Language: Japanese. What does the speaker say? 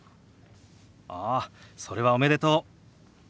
ああそれはおめでとう！